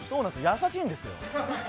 優しいんですよ。